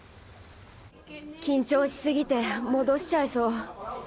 緊張しすぎてもどしちゃいそう。